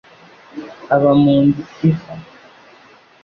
aba mu nzu iva,